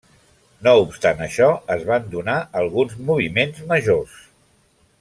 No obstant això es van donar alguns moviments majors.